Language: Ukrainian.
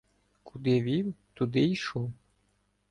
Куди вів — туди йшов.